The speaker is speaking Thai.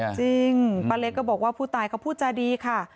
จริงป้าเล็กก็บอกว่าผู้ตายเขาพูดจาดีค่ะ